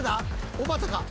おばたか。